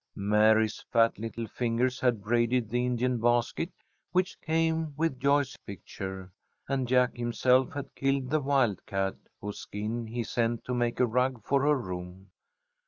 Mary's fat little fingers had braided the Indian basket which came with Joyce's picture, and Jack himself had killed the wildcat, whose skin he sent to make a rug for her room.